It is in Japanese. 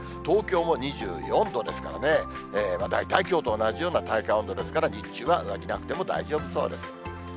東京も２４度ですからね、大体きょうと同じような体感温度ですから、日中は上着なくても大丈夫そうです。